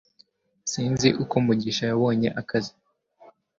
Sinzi uko mugisha yabonye akazi